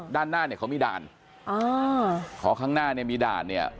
ด้านหน้าเนี่ยเขามีด่านอ่าพอข้างหน้าเนี่ยมีด่านเนี่ย